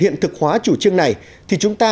nhà đầu tư tham gia